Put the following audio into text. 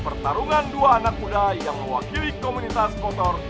pertarungan dua anak muda yang mewakili komunitas motor